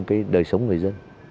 cái đời sống người dân